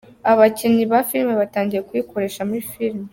Abakinnyikazi ba film batangiye kuyikoresha muri film.